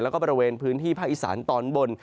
แล้วก็บริเวณพื้นที่ภาคอีสานตอนบน